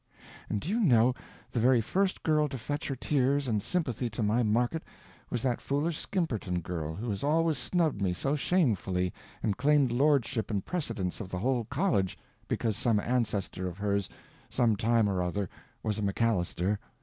And do you know, the very first girl to fetch her tears and sympathy to my market was that foolish Skimperton girl who has always snubbed me so shamefully and claimed lordship and precedence of the whole college because some ancestor of hers, some time or other, was a McAllister.